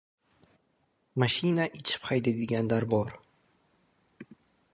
Mashinani ichib haydaydiganlar bor.